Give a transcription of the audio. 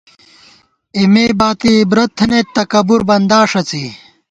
اېمےباتی عبرت تھنَئیت، تکَبُربندا ݭڅی